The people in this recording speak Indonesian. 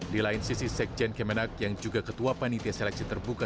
di lain sisi sekjen kemenak yang juga ketua panitia seleksi terbuka